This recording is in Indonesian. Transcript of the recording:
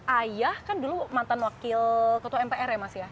ayah kan dulu mantan wakil ketua mpr ya mas ya